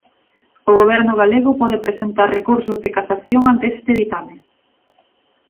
O Goberno galego pode presentar recurso de casación ante este ditame.